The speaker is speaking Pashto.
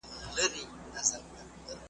دا هغه بېړۍ ډوبیږي چي مي نکل وو لیکلی ,